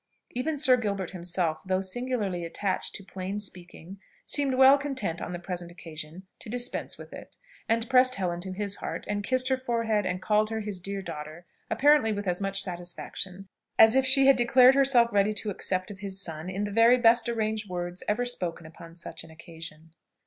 Even Sir Gilbert himself, though singularly attached to plain speaking, seemed well content on the present occasion to dispense with it; and pressed Helen to his heart, and kissed her forehead, and called her his dear daughter, apparently with as much satisfaction as if she had declared herself ready to accept of his son in the very best arranged words ever spoken upon such an occasion.